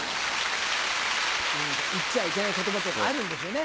言っちゃいけない言葉とかあるんですよね。